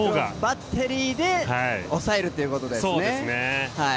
バッテリーで抑えるということですね。